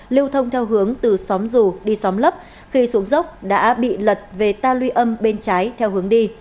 lưu thông theo hướng từ xóm rù đi xóm lấp khi xuống dốc đã bị lật về ta luy âm bên trái theo hướng đi